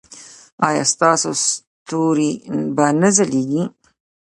ایا ستاسو ستوري به نه ځلیږي؟